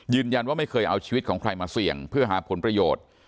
ไม่เคยเอาชีวิตของใครมาเสี่ยงเพื่อหาผลประโยชน์